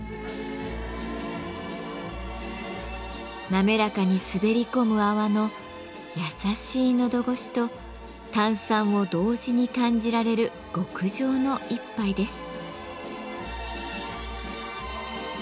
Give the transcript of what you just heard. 滑らかにすべり込む泡の優しい喉越しと炭酸を同時に感じられる極上の一杯です。